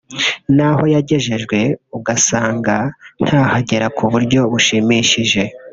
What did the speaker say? n’aho yagejejwe ugasanga ntahagera ku buryo bushimishije